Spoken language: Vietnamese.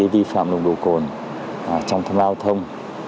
vi phạm nồng độ cồn trong tham gia giao thông